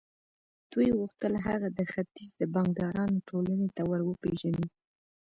دوی غوښتل هغه د ختیځ د بانکدارانو ټولنې ته ور وپېژني